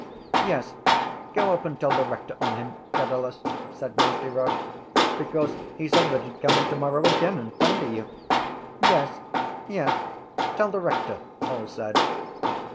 Yes, go up and tell the rector on him, Dedalus, said Nasty Roche, because he said that he’d come in tomorrow again and pandy you. —Yes, yes. Tell the rector, all said.